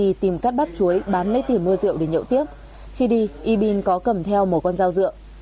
đi tìm các bắp chuối bán lấy tiền mua rượu để nhậu tiếp khi đi ybin có cầm theo một con dao rượu